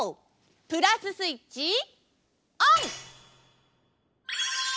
プラススイッチオン！